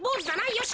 よし！